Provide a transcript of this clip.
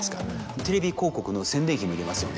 テレビ広告の宣伝費もいりますよね。